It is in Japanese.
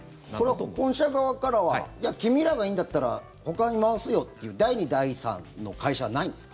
これは、本社側からは君らがいいんだったらほかに回すよっていう第２、第３の会社はないんですか？